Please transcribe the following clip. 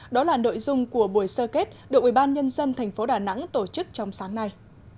đó là nội dung của buổi sơ kết đội ubnd tp đà nẵng tổ chức trong sáng nay